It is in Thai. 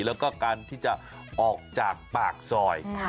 แล้วก็การที่จะออกจากปากซอย